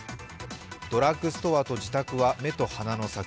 ドラッグストアと自宅は目と鼻の先。